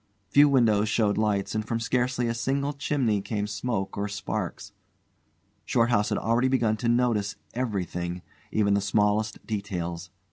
Few windows showed lights, and from scarcely a single chimney came smoke or sparks. Shorthouse had already begun to notice everything, even the smallest details.